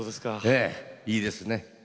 いいですね。